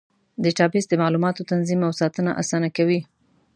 ډیټابیس د معلوماتو تنظیم او ساتنه اسانه کوي.